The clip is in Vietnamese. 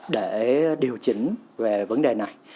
để điều chỉnh về vấn đề này